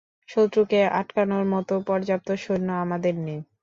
শত্রুকে আটকানোর মতো পর্যাপ্ত সৈন্য আমাদের নেই।